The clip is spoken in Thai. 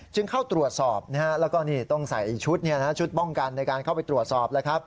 จึงเข้าตรวจสอบและต้องใส่ชุดป้องกันในการเข้าไปตรวจสอบ